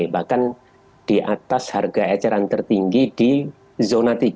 bahkan di atas harga eceran tertinggi di zona tiga